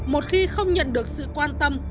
một khi không nhận được sự quan tâm